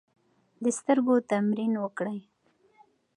د سترګو تمرین وکړئ.